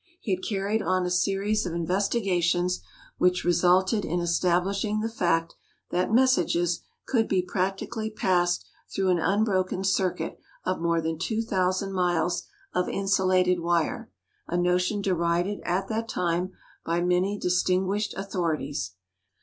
He had carried on a series of investigations which resulted in establishing the fact that messages could be practically passed through an unbroken circuit of more than 2,000 miles of insulated wire, a notion derided at that time by many distinguished authorities.